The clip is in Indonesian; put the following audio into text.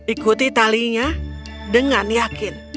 ikuti talinya dengan yakin